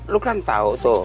lo kan tau tuh